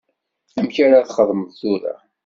Amek ara txedmeḍ tura?